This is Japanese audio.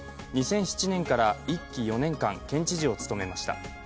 ２００７年から１期４年間、県知事を務めました。